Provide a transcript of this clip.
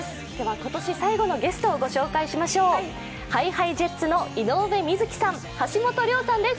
今年最後のゲストを紹介します。ＨｉＨｉＪｅｔｓの井上瑞稀さん、橋本涼さんです。